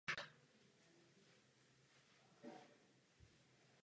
Některé zdroje však třídu koncentrace označují arabskými číslicemi.